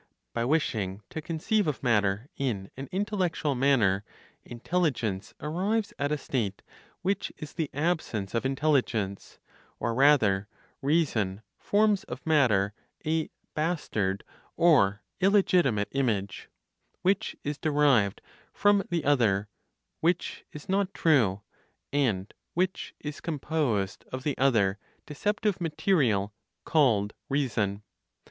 By wishing to conceive of matter in an intellectual manner, intelligence arrives at a state which is the absence of intelligence, or rather, reason forms of matter a "bastard" or "illegitimate" image, which is derived from the other, which is not true, and which is composed of the other (deceptive material called) reason.